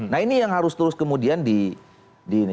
nah ini yang harus terus kemudian di ini